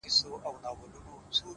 پرمختګ د ځان ارزونې ته اړتیا لري؛